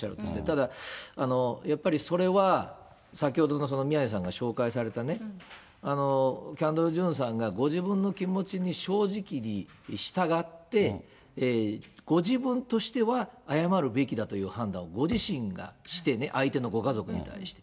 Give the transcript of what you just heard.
ただ、やっぱりそれは、先ほどの宮根さんが紹介されたね、キャンドル・ジュンさんがご自分の気持ちに正直に従って、ご自分としては謝るべきだという判断をご自身がしてね、相手のご家族に対して。